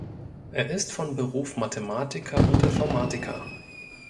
Er ist von Beruf Mathematiker und Informatiker.